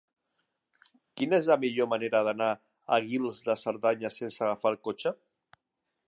Quina és la millor manera d'anar a Guils de Cerdanya sense agafar el cotxe?